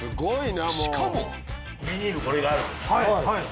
しかも。